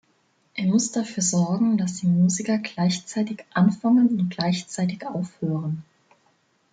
Er muss dafür sorgen, dass die Musiker gleichzeitig anfangen und gleichzeitig aufhören.